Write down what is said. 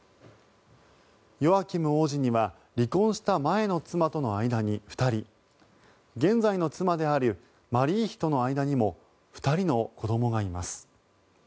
ヨアキム王子には離婚した前の妻との間に２人現在の妻であるマリー妃との間にも２人の子どもがいます。